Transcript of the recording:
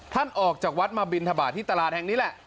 ออกจากวัดมาบินทบาทที่ตลาดแห่งนี้แหละ